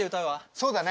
そうだね。